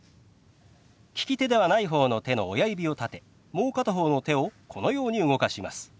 利き手ではない方の手の親指を立てもう片方の手をこのように動かします。